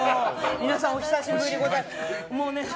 皆さんお久しぶりでございます。